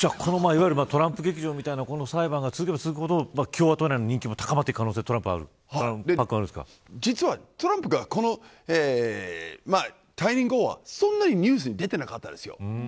トランプ劇場のようなものが続けば、共和党内の力も高まっていく可能性が実はトランプが退任後はそんなにニュースに出ていなかったんです。